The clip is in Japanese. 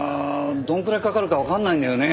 どのくらいかかるかわからないんだよね。